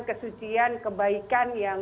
kesucian kebaikan yang